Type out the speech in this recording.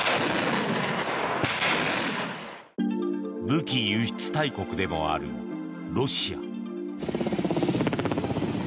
武器輸出大国でもあるロシア。